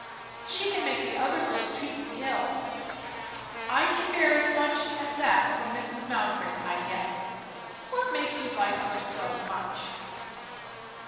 "She can make the other girls treat you ill." "I can bear as much as that for Mrs. Mowbray, I guess." "What makes you like her so much?"